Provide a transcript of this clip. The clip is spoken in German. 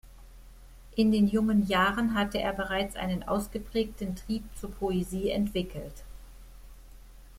Denn in jungen Jahren hatte er bereits einen ausgeprägten Trieb zur Poesie entwickelt.